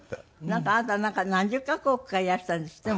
なんかあなた何十カ国かいらしたんですって？